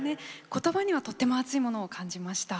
言葉にはとっても熱いものを感じました。